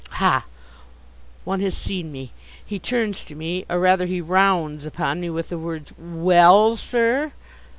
Ha! One has seen me. He turns to me, or rather he rounds upon me, with the words "Well, sir?"